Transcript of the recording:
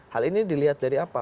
hal ini dilihat dari apa